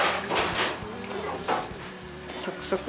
サクサク。